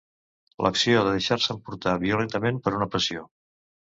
L'acció de deixar-se emportar violentament per una passió.